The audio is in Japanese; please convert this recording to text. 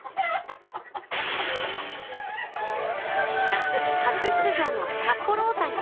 夏初出場の札幌大谷。